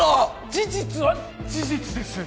事実は事実です